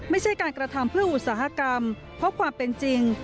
ไม่ใช่การกระทำเพื่ออุตสาหกรรมเพราะความเป็นจริง